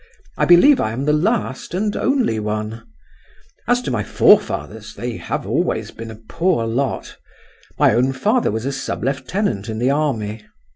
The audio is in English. I believe I am the last and only one. As to my forefathers, they have always been a poor lot; my own father was a sublieutenant in the army.